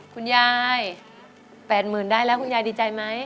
คุณยาย๘๐๐๐ได้แล้วคุณยายดีใจไหม